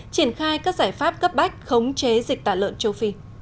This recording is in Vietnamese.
triển khai các giải pháp cấp bách khống chế dịch tả lợn châu phi